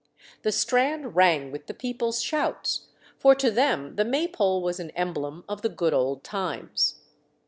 The Strand rang with the people's shouts, for to them the Maypole was an emblem of the good old times.